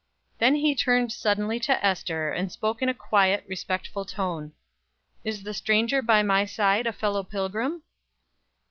Then he turned suddenly to Ester, and spoke in a quiet, respectful tone: "Is the stranger by my side a fellow pilgrim?"